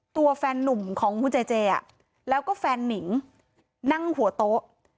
แฟนนุ่มของคุณเจเจแล้วก็แฟนนิงนั่งหัวโต๊ะ